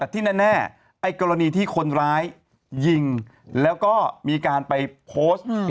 ที่แน่ไอ้กรณีที่คนร้ายยิงแล้วก็มีการไปโพสต์